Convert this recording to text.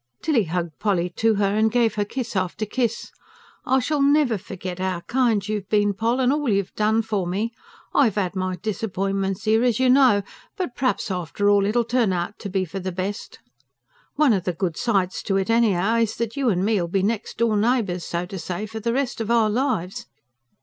Tilly hugged Polly to her, and gave her kiss after kiss. "I shall NEVER forget 'ow kind you've been, Poll, and all you've done for me. I've had my disappointments 'ere, as you know; but p'raps after all it'll turn out to be for the best. One o' the good sides to it anyhow is that you and me'll be next door neighbours, so to say, for the rest of our lives.